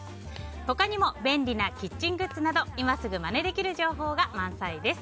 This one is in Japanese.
他にも便利なキッチングッズなど今すぐまねできる情報が満載です。